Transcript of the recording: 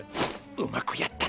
うまくやったな。